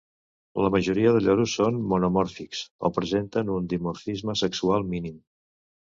La majoria de lloros són monomòrfics o presenten un dimorfisme sexual mínim.